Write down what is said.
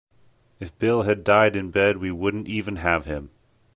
If Bill had died in bed we wouldn't even have him.